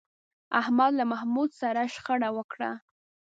احمد له محمود سره شخړه وکړه.